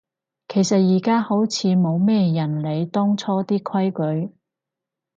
其實而家好似冇咩人理當初啲規矩